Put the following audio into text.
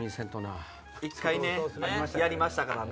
１回ねやりましたからね。